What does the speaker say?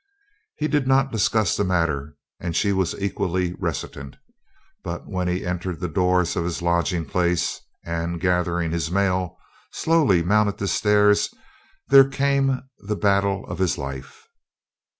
He did not discuss the matter, and she was equally reticent; but when he entered the doors of his lodging place and, gathering his mail, slowly mounted the stairs, there came the battle of his life.